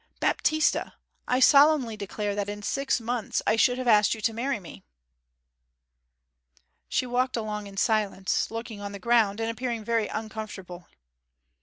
'Baptista, I solemnly declare that in six months I should have asked you to marry me.' She walked along in silence, looking on the ground, and appearing very uncomfortable.